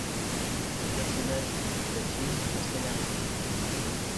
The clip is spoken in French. Les personnages et situations sont scénarisés.